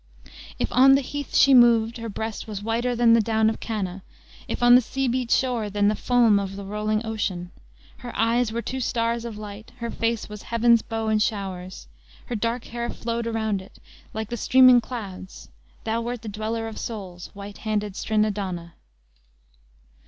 "If on the heath she moved, her breast was whiter than the down of Cana; If on the sea beat shore, than the foam of the rolling ocean. Her eyes were two stars of light. Her face was Heaven's bow in showers; Her dark hair flowed around it, like the streaming clouds, Thou wert the dweller of souls, white handed Strinadona!"